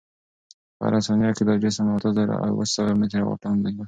په هره ثانیه کې دا جسم اته زره اوه سوه متره واټن وهي.